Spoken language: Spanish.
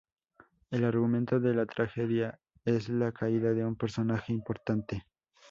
El argumento de la tragedia es la caída de un personaje importante.